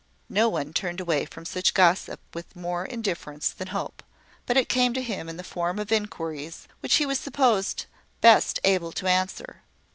No one turned away from such gossip with more indifference than Hope; but it came to him in the form of inquiries which he was supposed best able to answer.